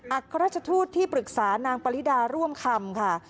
อักษรรถูดที่ปรึกษานางบัริธาร่วมคำค่ะ